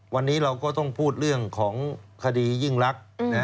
วันนี้เราก็ต้องพูดเรื่องของคดียิ่งรัก